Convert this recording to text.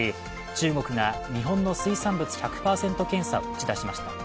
中国が日本の水産物１００％検査を打ち出しました。